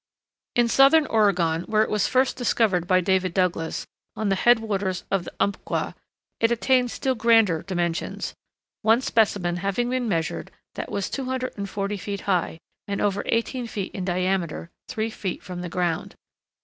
In southern Oregon, where it was first discovered by David Douglas, on the head waters of the Umpqua, it attains still grander dimensions, one specimen having been measured that was 245 feet high, and over eighteen feet in diameter three feet from the ground.